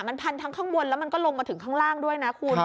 มันพันทั้งข้างบนแล้วมันก็ลงมาถึงข้างล่างด้วยนะคุณ